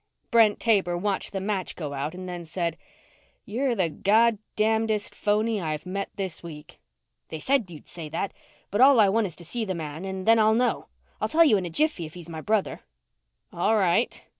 Brent Taber watched the match go out and then said, "You're the Goddamnedest phony I've met this week." "They said you'd say that, but all I want is to see the man and then I'll know. I'll tell you in a jiffy if he's my brother." "All right."